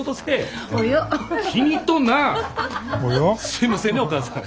すいませんねお母さん。